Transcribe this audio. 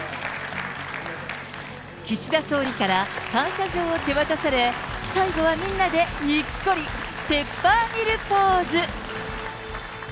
岸田総理から、感謝状を手渡され、最後はみんなでにっこり、ペッパーミルポーズ。